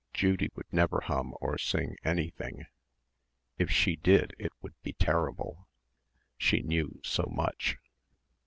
Judy would never hum or sing anything. If she did, it would be terrible. She knew so much.